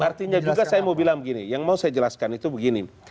artinya juga saya mau bilang begini yang mau saya jelaskan itu begini